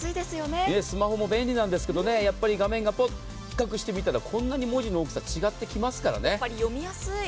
スマホも便利なんですけど、やっぱり画面が比較してみたら、こんなに文字の大きさ違ってきますからね。